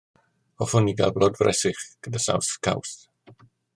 Hoffwn i gael blodfresych gyda saws caws.